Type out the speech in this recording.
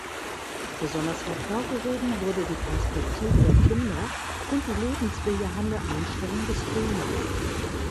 Besonders hervorgehoben wurde die Perspektive der Kinder und die lebensbejahende Einstellung des Filmes.